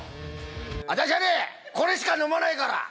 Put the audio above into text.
あたしはね、これしか飲まないから。